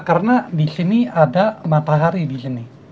karena disini ada matahari disini